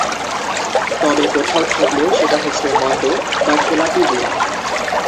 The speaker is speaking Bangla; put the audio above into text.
তবে কোথাও থাকলেও সেটা হচ্ছে মন্দ বা খেলাপি ঋণ।